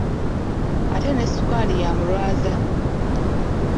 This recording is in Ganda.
Ate ne sukaali yamulwaza.